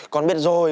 con biết rồi